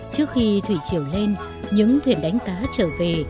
trước khi thủy chiều lên những thuyền đánh cá trở về